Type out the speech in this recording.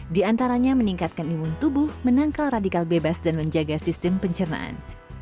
di antaranya meningkatkan imun tubuh menangkal radikal bebas dan menjaga sistem pencernaan